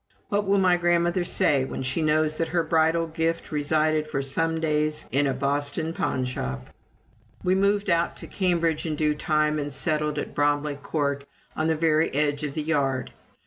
What will my grandmother say when she knows that her bridal gift resided for some days in a Boston pawnshop? We moved out to Cambridge in due time, and settled at Bromley Court, on the very edge of the Yard.